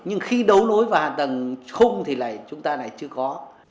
nhưng khi đấu nối vào hạ tầng khung thì là chúng ta lại chưa có